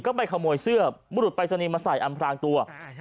ก็ไปขโมยเสื้อบุรุษปรายศนีย์มาใส่อำพลางตัว